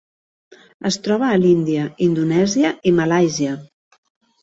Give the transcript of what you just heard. Es troba a l'Índia, Indonèsia i Malàisia.